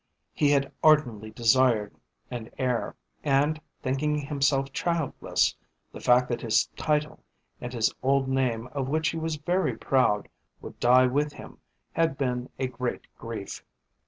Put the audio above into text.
He had ardently desired an heir, and, thinking himself childless, the fact that his title and his old name, of which he was very proud, would die with him had been a great grief.